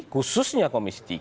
khususnya komisi tiga